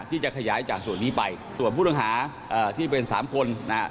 ที่จะขยายจากส่วนนี้ไปส่วนผู้ต้องหาเอ่อที่เป็นสามคนนะฮะ